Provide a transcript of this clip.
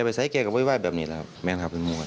แก่ไปใส่แก่กับโว้ยไว้แบบนี้แหละครับแม่งครับเป็นมูบัน